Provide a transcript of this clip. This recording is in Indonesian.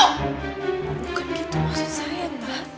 bukan gitu maksud saya mbak